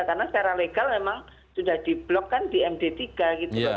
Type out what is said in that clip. karena secara legal memang sudah diblokkan di md tiga gitu loh